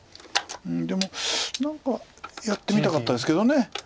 でも何かやってみたかったですけど。